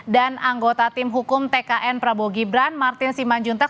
dan anggota tim hukum tkn prabowo gibran martin simanjuntek